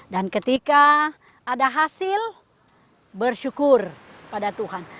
dan ketika ada hasil bersyukur pada tuhan